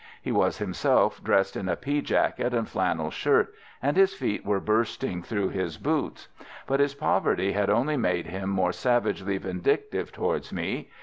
He was himself dressed in a pea jacket and flannel shirt, and his feet were bursting through his boots. But his poverty had only made him more savagely vindictive towards me.